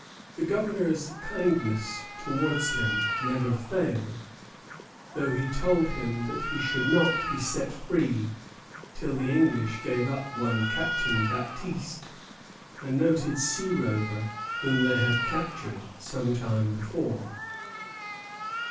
The governor's kindness towards him never failed, though he told him that he should not be set free till the English gave up one Captain Baptiste, a noted sea rover whom they had captured some time before.